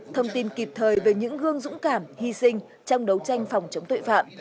thông tin kịp thời về những gương dũng cảm hy sinh trong đấu tranh phòng chống tội phạm